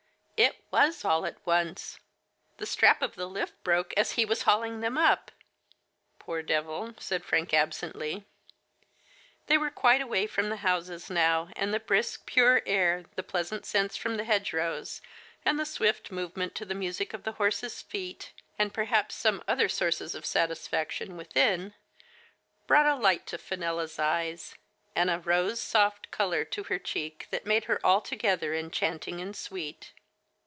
*^ It was all at once. The strap of the lift broke as he was hauling them up !"" Poor devil !" said Frank absently. They were quite away from the houses now, and the brisk, pure air, the pleasant scents from the hedgerows, and the swift movement to the music of the horses' feet, and perhaps some other sources of satisfaction within, brought a light to Fenella's eyes, and a rose soft color to her cheek that made her altogether enchanting and sweet.